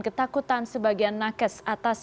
ketakutan sebagian nakes atas